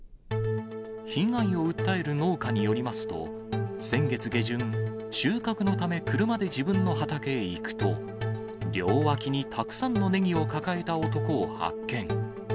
被害を訴える農家によりますと、先月下旬、収穫のため車で自分の畑へ行くと、両脇にたくさんのネギを抱えた男を発見。